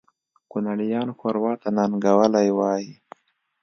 کونړیان ښوروا ته ننګولی وایي